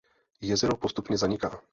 Jezero postupně zaniká.